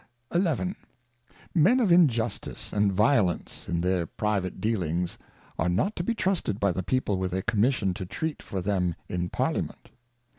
XI. Men of Injustice and Violence, in their private Dealings, are not to be trusted by the People with a Commission to treat for them in Parliament.